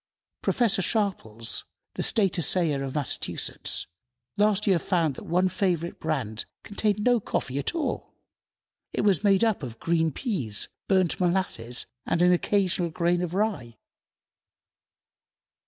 Professor Sharples, the State Assayer of Massachusetts, last year found that one favorite brand contained no coffee at all. It was made up of green peas, burnt molasses, and "an occasional grain of rye."